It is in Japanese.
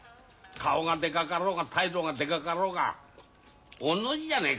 顔がでかかろうが態度がでかかろうが御の字じゃねえか。